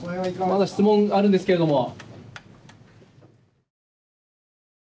まだ質問あるんですけれども。